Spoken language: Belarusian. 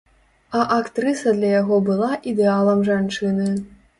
А актрыса для яго была ідэалам жанчыны.